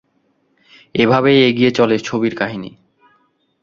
এভাবেই এগিয়ে চলে ছবির কাহিনী।